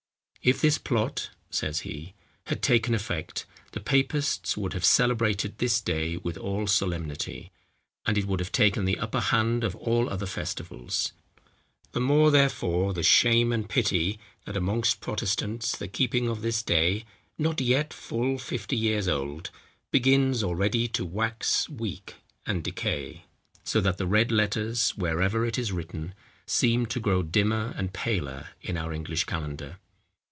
"If this plot," says he, "had taken effect, the papists would have celebrated this day with all solemnity; and it would have taken the upper hand of all other festivals. The more, therefore, the shame and pity, that amongst Protestants the keeping of this day (not yet full fifty years old) begins already to wax weak and decay; so that the red letters, wherever it is written, seem to grow dimmer and paler in our English calendar.